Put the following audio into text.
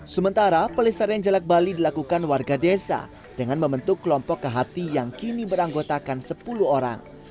sementara pelestarian jelek bali dilakukan warga desa dengan membentuk kelompok kehati yang kini beranggotakan sepuluh orang